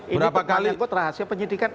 ini berkali kali rahasia penyelidikan